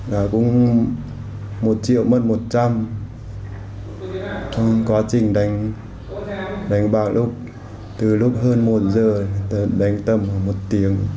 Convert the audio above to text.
và cũng một triệu mất một trăm linh quá trình đánh bào lúc từ lúc hơn một giờ đánh tầm một tiếng